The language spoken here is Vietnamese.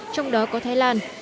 trong đó có thái lan